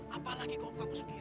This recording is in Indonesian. apalagi kalau punya pesekian